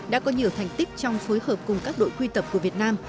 đã có nhiều thành tích trong phối hợp cùng các đội quy tập của việt nam